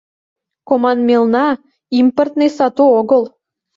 Команмелна импортный сату огыл.